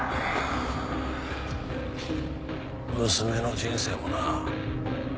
娘の人生もな。